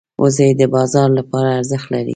وزې د بازار لپاره ارزښت لري